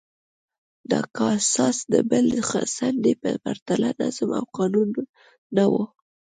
د کاساس د بلې څنډې په پرتله نظم او قانون نه و